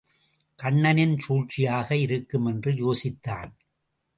கண்ணனின் சூழ்ச்சியாக இருக்கும் என்று யோசித்தான்.